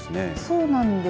そうなんです。